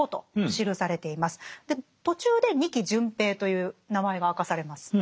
で途中で仁木順平という名前が明かされます。